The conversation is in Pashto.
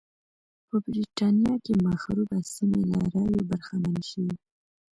په برېټانیا کې مخروبه سیمې له رایو برخمنې شوې.